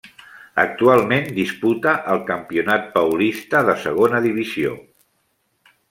Actualment disputa el campionat paulista de segona divisió.